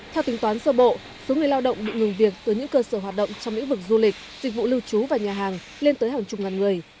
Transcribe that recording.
theo tính toán sơ bộ số người lao động bị ngừng việc từ những cơ sở hoạt động trong lĩnh vực du lịch dịch vụ lưu trú và nhà hàng lên tới hàng chục ngàn người